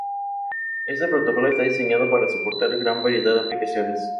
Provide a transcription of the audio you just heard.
Este protocolo está diseñado para soportar gran variedad de aplicaciones.